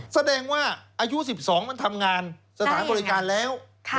แสดงว่าอายุ๑๒มันทำงานสถานบริการแล้ว